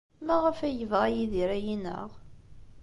Maɣef ay yebɣa Yidir ad iyi-ineɣ?